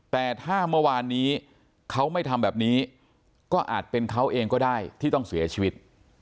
แต่ถ้าเมื่อวานนี้เขาไม่ทำแบบนี้ก็อาจเป็นเขาเองก็ได้ที่ต้องเสียชีวิต